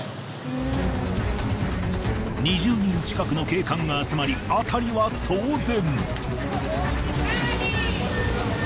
２０人近くの警官が集まり辺りは騒然。